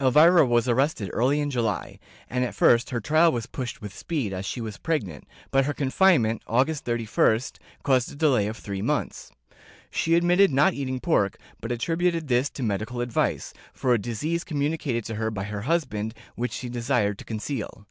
Elvira was arrested early in July, and at first her trial was pushed with speed, as she was pregnant, but her confinement, August 31st, caused a delay of three months. She admitted not eating pork, but attributed this to medical advice, for a disease communicated to her by her husband, which she desired to conceal.